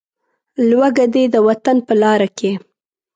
لوږه دې د وطن په لاره کې.